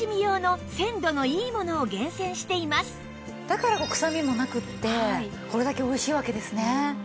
だから臭みもなくってこれだけおいしいわけですね。